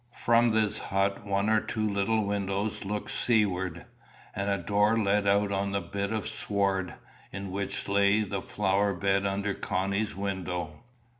From this hut one or two little windows looked seaward, and a door led out on the bit of sward in which lay the flower bed under Connie's window.